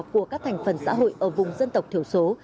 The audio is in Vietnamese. của các thành phần xã hội ở vùng dân tộc thiểu số